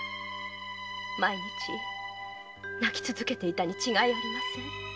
毎日泣き続けていたに違いありません。